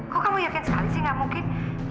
kok kamu yakin sekali sih gak mungkin